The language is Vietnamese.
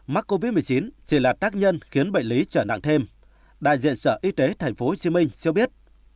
mắc covid một mươi chín chỉ là tác nhân khiến bệnh lý trở nặng thêm đại diện sở y tế tp hcm cho biết